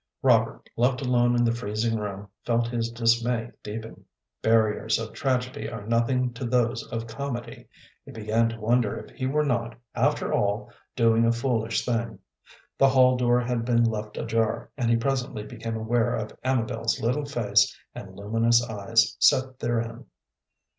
Robert, left alone in the freezing room, felt his dismay deepen. Barriers of tragedy are nothing to those of comedy. He began to wonder if he were not, after all, doing a foolish thing. The hall door had been left ajar, and he presently became aware of Amabel's little face and luminous eyes set therein.